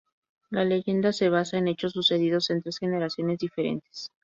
La leyenda se basa en hechos sucedidos en tres generaciones diferentes.